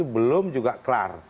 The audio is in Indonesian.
belum juga kelar